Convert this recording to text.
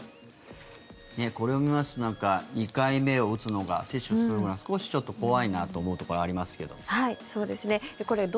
これを見ますとなんか２回目を打つのが接種するのが、少し怖いなと思うところがありますけれど。